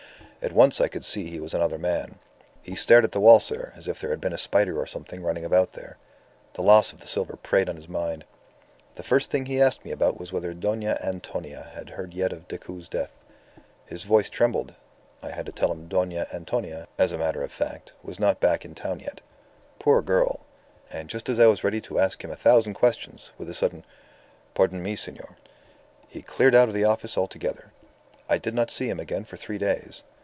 At once I could see he was another man. He stared at the wall, sir, as if there had been a spider or something running about there. The loss of the silver preyed on his mind. The first thing he asked me about was whether Dona Antonia had heard yet of Decoud's death. His voice trembled. I had to tell him that Dona Antonia, as a matter of fact, was not back in town yet. Poor girl! And just as I was making ready to ask him a thousand questions, with a sudden, 'Pardon me, senor,' he cleared out of the office altogether. I did not see him again for three days.